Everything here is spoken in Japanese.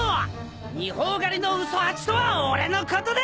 二胞狩りのウソ八とは俺のことだ！